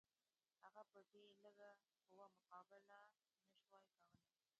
هغه په دې لږه قوه مقابله نه شوای کولای.